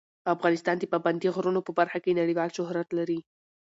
افغانستان د پابندي غرونو په برخه کې نړیوال شهرت لري.